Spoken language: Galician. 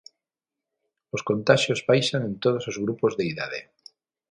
Os contaxios baixan en todos os grupos de idade.